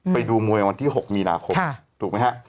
ไปดูมวยวันที่๖มีนาคมถูกไหมฮะ